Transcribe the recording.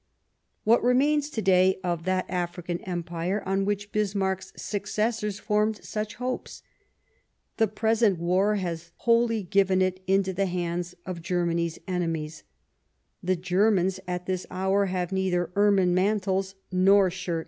What remains to day of that African Empire on which Bismarck's successors formed such hopes? The present war has wholly given it into the hands of Germany's enemies ; the Germans at this hour have neither ermine mantles nor shirts